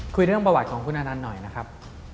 คุยเรื่องประวัติของคุณอนันต์หน่อยนะครับ